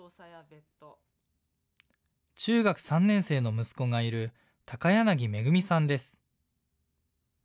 中学３年生の息子がいる高柳恵美さんです。